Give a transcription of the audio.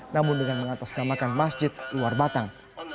namun dengan mengatasnamakan masjid luar batang